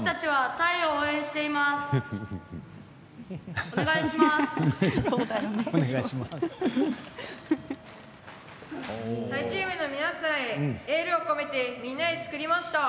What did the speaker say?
タイチームの皆さんへエールをこめてみんなで作りました。